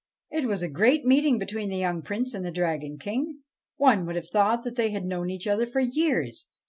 It was a great meeting between the young Prince and the Dragon King. One would have thought that they had known each other for years.